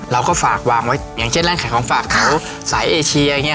เราก็ฝากวางไว้อย่างเช่นร้านขายของฝากเขาสายเอเชีย